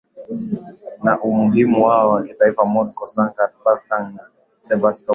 na umuhimu wao wa kitaifa Moscow Sankt Petersburg na Sevastopol